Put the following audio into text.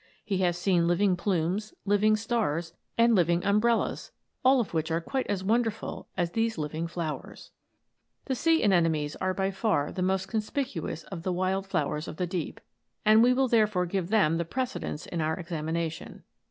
He has seen living plumes, living stars, and living umbrellas, all of which are quite as wonderful as these living flowers. The sea anemones are by far the most conspicuous of the wild flowers of the deep, and we will there fore give them the precedence in our examination.